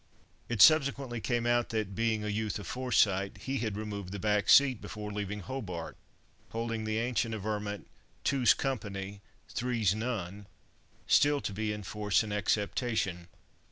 It subsequently came out that, being a youth of foresight, he had removed the back seat before leaving Hobart, holding the ancient averment, "two's company, three's none," still to be in force and acceptation.